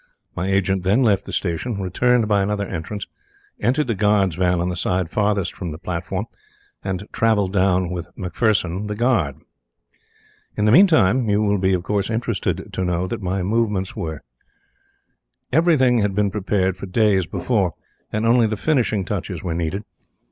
My agent then left the station, returned by another entrance, entered the guard's van on the side farthest from the platform, and travelled down with McPherson the guard. "In the meantime you will be interested to know what my movements were. Everything had been prepared for days before, and only the finishing touches were needed.